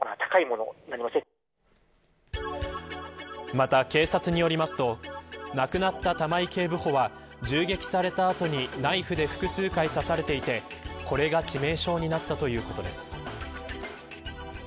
また、警察によりますと亡くなった玉井警部補は銃撃された後にナイフで複数回刺されていてこれが致命傷になったということです。